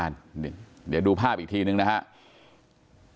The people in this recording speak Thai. เดี๋ยวดูภาพอีกทีนึงนะครับ